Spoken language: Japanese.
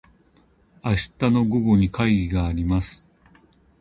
明日の午後に会議があります。